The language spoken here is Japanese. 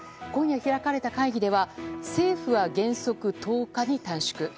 今夜開かれた会議では政府は原則１０日に短縮。